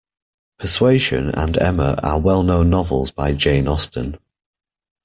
Persuasion and Emma are well-known novels by Jane Austen